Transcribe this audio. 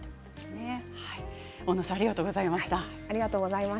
大野さんありがとうございました。